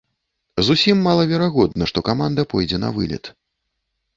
Зусім малаверагодна, што каманда пойдзе на вылет.